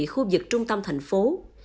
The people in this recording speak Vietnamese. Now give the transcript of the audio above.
khu vực trung tâm thành phố